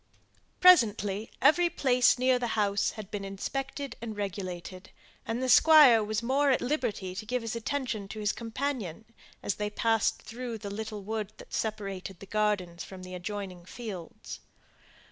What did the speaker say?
Presently, every place near the house had been inspected and regulated, and the Squire was more at liberty to give his attention to his companion, as they passed through the little wood that separated the gardens from the adjoining fields.